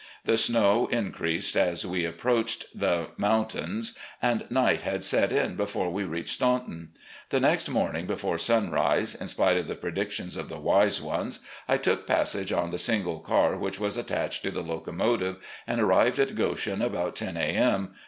The snow increased as we approached the mountains, and night had set in before we reached Statmton. The next morning, before sunrise, in spite of the predictions of the wise ones, I took passage on the single car which was attached to the locomotive, and arrived at Goshen about 10 a. m.